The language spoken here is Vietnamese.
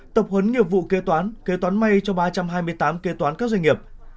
tập huấn nghiệp vụ kê toán kê toán may cho ba trăm hai mươi tám kê toán các doanh nghiệp